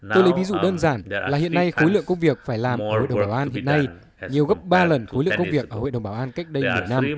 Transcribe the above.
tôi lấy ví dụ đơn giản là hiện nay khối lượng công việc phải làm ở hội đồng bảo an hiện nay nhiều gấp ba lần khối lượng công việc ở hội đồng bảo an cách đây một mươi năm